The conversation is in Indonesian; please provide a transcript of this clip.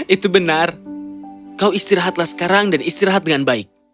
itu benar kau istirahatlah sekarang dan istirahat dengan baik